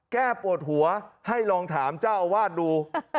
แก้ปวดหัวให้ลองถามเจ้าอาวาสดู